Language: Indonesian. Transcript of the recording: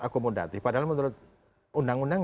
akomodatif padahal menurut undang undang